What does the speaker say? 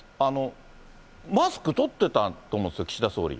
マスク取ってたと思うんですよ、岸田総理。